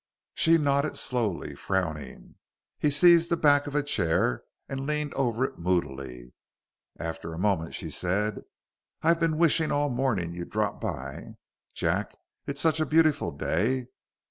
She nodded slowly, frowning. He seized the back of a chair and leaned over it moodily. After a moment, she said, "I've been wishing all morning you'd drop by. Jack, it's such a beautiful day.